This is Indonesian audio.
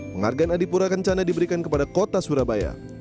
penghargaan adipura kencana diberikan kepada kota surabaya